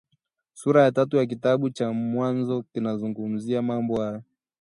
Sura ya tatu ya kitabu cha mwanzo kina zungumuzia mambo hayo